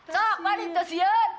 sok waduh ntar siun